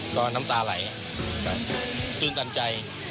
ก็น้ำตาไหลซื่นตันใจ